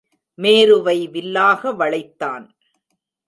மேருவை வில்லாக வளைத்தான்.